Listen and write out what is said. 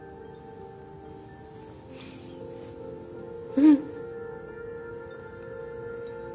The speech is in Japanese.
うん。